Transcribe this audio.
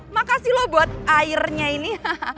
makasih loh buat airnya ini